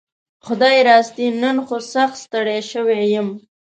خدايي راستي نن خو سخت ستړى شوي يم